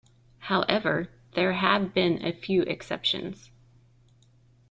However, there have been a few exceptions.